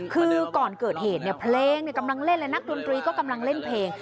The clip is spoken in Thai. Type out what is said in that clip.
คือก่อนเกิดเหตุเนี่ยเพลงกำลังเล่นและนักดนตรีก็กำลังเล่นเพลง